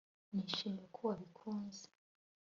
nishimiye ko wabikunze